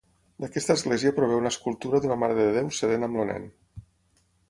D'aquesta església prové una escultura d'una marededéu sedent amb el nen.